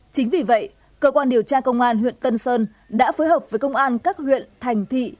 chính vì vậy cơ quan điều tra công an huyện tân sơn đã phối hợp với công an các huyện thành thị